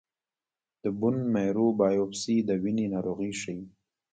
د بون میرو بایوپسي د وینې ناروغۍ ښيي.